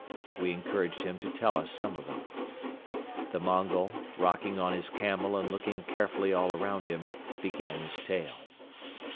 We encouraged him to tell us some of them. The Mongol, rocking on his camel and looking carefully all around him, began his tale.